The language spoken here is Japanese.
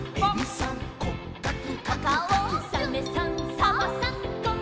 「サメさんサバさん